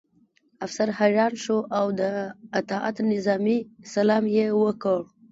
افسر حیران شو او د اطاعت نظامي سلام یې وکړ